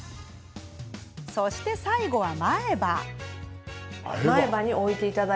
そして、最後は前歯です。